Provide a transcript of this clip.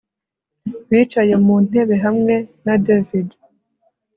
bicaye muntebe hamwe na david